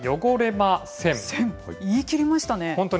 言い切りましたね。